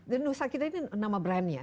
dan nusakita ini nama brand ya